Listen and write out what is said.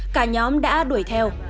cả nhóm đã đuổi theo